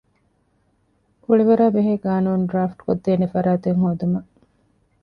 ކުޅިވަރާބެހޭ ޤާނޫނު ޑްރާފްޓްކޮށްދޭނެ ފަރާތެއް ހޯދުމަށް